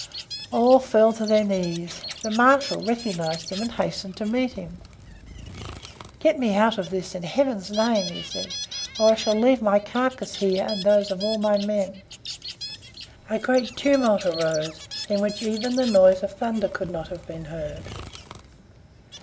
All fell to their knees. The marshal recognized him and hastened to meet him. "Get me out of this, in Heaven's name!" he said, "or I shall leave my carcass here and those of all my men." A great tumult arose, in the midst of which even the noise of thunder could not have been heard.